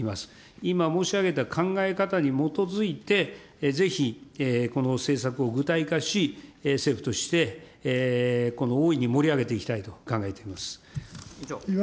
今申し上げた考え方に基づいて、ぜひこの政策を具体化し、政府として大いに盛り上げていきたいと考えています。